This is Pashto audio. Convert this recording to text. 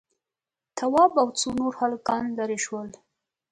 تواب او څو نور هلکان ليرې شول.